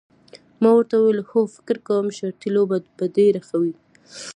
ما ورته وویل هو فکر کوم شرطي لوبه به ډېره ښه وي.